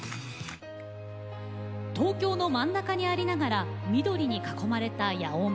東京の真ん中にありながら緑に囲まれた野音。